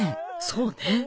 そうね